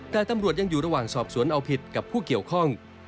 แต่ตำรวจยังอยู่ระหว่างสอบสวนเอาผิดกับผู้เกี่ยวข้อง